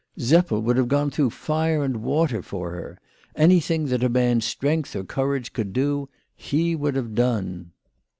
Seppel would have gone through fire and water for her. Anything that a man's strength or courage could do, he would have done.